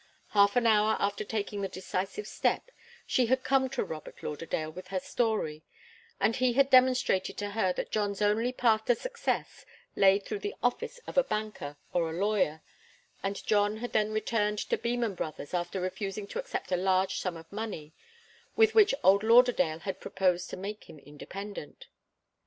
Half an hour after taking the decisive step, she had come to Robert Lauderdale with her story, and he had demonstrated to her that John's only path to success lay through the office of a banker or a lawyer, and John had then returned to Beman Brothers, after refusing to accept a large sum of money, with which old Lauderdale had proposed to make him independent.